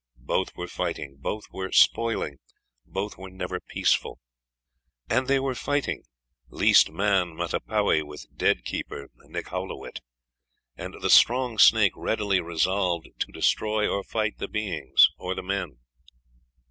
Both were fighting, both were spoiling, both were never peaceful. And they were fighting, least man Mattapewi with dead keeper Nihaulowit. And the strong snake readily resolved to destroy or fight the beings or the men.